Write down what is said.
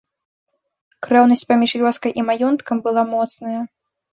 Крэўнасць паміж вёскай і маёнткам была моцная.